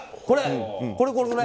これこれ！